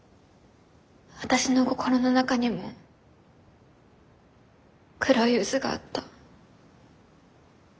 私の心の中にも黒い渦があった。